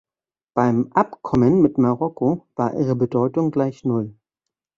Beim Abkommen mit Marokko war ihre Bedeutung gleich Null.